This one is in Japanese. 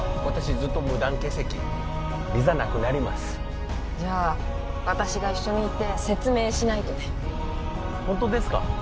私ずっと無断欠席ビザなくなりますじゃ私が一緒に行って説明しないとね本当ですか！？